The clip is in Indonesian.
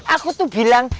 aku tuh bilang